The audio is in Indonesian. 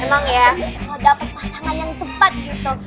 emang ya kalo dapet pasangan yang tepat gitu